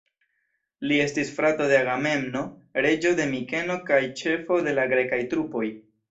Li estis frato de Agamemno, reĝo de Mikeno kaj ĉefo de la grekaj trupoj.